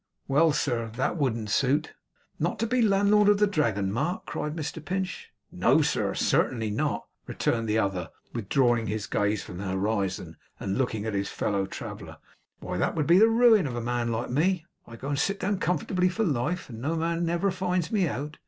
Well, sir, THAT wouldn't suit.' 'Not to be landlord of the Dragon, Mark?' cried Mr Pinch. 'No, sir, certainly not,' returned the other, withdrawing his gaze from the horizon, and looking at his fellow traveller. 'Why that would be the ruin of a man like me. I go and sit down comfortably for life, and no man never finds me out.